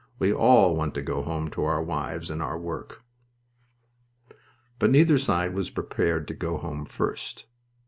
We all want to go home to our wives and our work." But neither side was prepared to "go home" first.